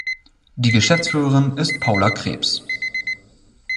Die Geschäftsführerin ist Paula Krebs.